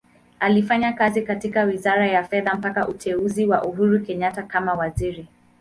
Alifanya kazi katika Wizara ya Fedha mpaka uteuzi wa Uhuru Kenyatta kama Waziri.